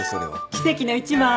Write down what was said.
奇跡の１枚。